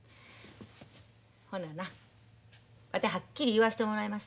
ほななわてはっきり言わしてもらいまっさ。